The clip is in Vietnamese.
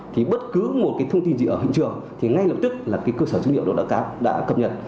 thì bất cứ một thông tin gì ở hình trường thì ngay lập tức cơ sở dữ liệu đã cập nhật